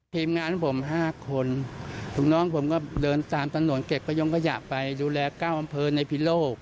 ทีมงานของผม๕คนทุกน้องผมก็เดินตามตลอดเก็บประยงกระหยักไปดูแล๙อำเภอในพิโลก